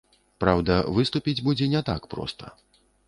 Праўда, выступіць будзе не так проста.